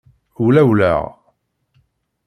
Wlawleɣ.